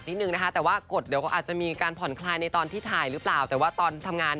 นี่จนอยู่ด้านหลัง